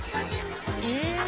え？